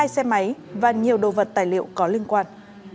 hai xe máy và nhiều đồ vật tài liệu có liên quan